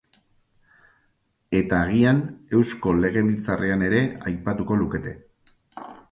Eta agian Eusko Legebiltzarrean ere aipatuko lukete.